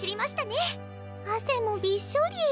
汗もびっしょり。